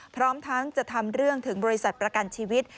พร้อมทั้งจะทำเรื่องถึงบริษัทประกันชีวิต